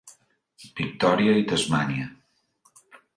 Victòria i Tasmània.